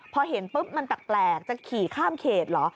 พอเห็นปุ๊บมันแปลกจะขี่ข้ามเขตเหรอ